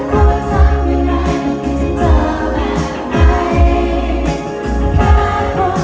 บอกได้ไหมที่ที่ฉันอยู่